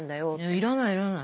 いらないいらない。